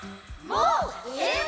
もうええわ！